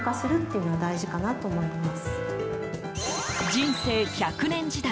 人生１００年時代